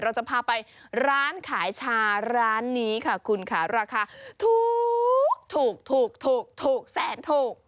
เราจะพาไปร้านขายชาร้านนี้ค่ะคุณค่ะราคาถูกถูกแสนถูก